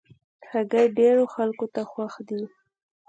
هګۍ ډېرو خلکو ته خوښ دي.